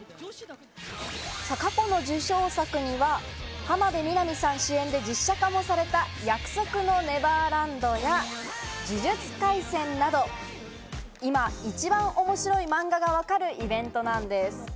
過去の受賞作には、浜辺美波さん主演で実写化もされた『約束のネバーランド』や、『呪術廻戦』など、今一番面白い漫画がわかるイベントなんです。